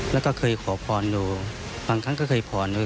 แล้วก็เคยขอพรอยู่บางครั้งก็เคยขอพร